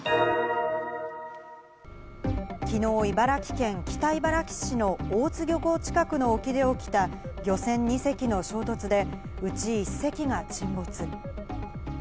きのう茨城県北茨城市の大津漁港近くの沖で起きた漁船２隻の衝突で、うち１隻が沈没。